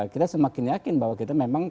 kita semakin yakin bahwa kita memang